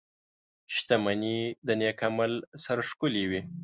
• شتمني د نېک عمل سره ښکلې وي.